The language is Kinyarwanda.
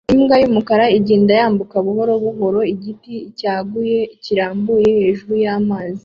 Imbwa y'umukara igenda yambuka buhoro buhoro igiti cyaguye kirambuye hejuru y'amazi